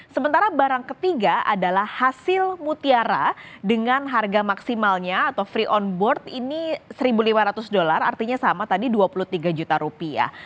sementara barang ketiga adalah hasil mutiara dengan harga maksimalnya atau free on board ini satu lima ratus dolar artinya sama tadi dua puluh tiga juta rupiah